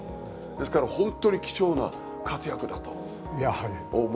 ですから本当に貴重な活躍だと思ってますよ。